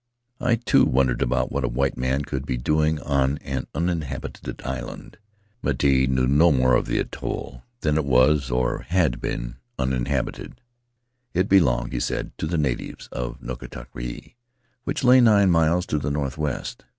I, too, wondered what a white man could be doing on an uninhabited island. Miti knew no more of the atoll than that it was or had formerly been uninhabited. It belonged, he said, to the natives of Nukatavake, which lay nine miles to the northwest.